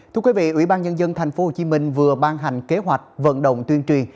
thưa quý vị ủy ban nhân dân tp hcm vừa ban hành kế hoạch vận động tuyên truyền